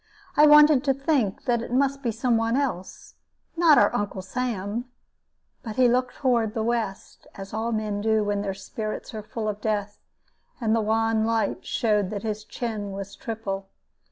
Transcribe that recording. I wanted to think that it must be somebody else, and not our Uncle Sam. But he looked toward the west, as all men do when their spirits are full of death, and the wan light showed that his chin was triple.